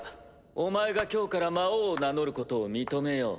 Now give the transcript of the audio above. お前が今日から魔王を名乗ることを認めよう。